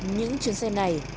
những chuyến xe này